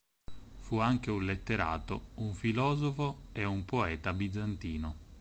Fu anche un letterato, un filosofo e un poeta bizantino.